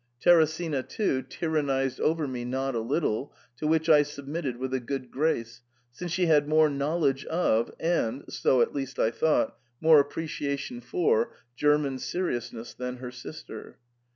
Teresina, too, tyran nised over me not a little, to which I submitted with a good grace, since she had more knowledge of, and (so at least I thought) more appreciation for, German seri ousness than her sister.